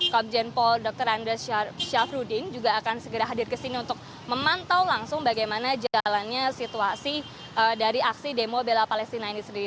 kabupaten jenderal pol dr randes syafrudin juga akan segera hadir kesini untuk memantau langsung bagaimana jalannya situasi dari aksi demo bela palestina ini sendiri